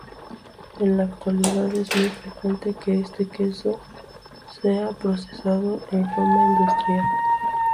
En la actualidad, es muy frecuente que este queso sea procesado en forma industrial.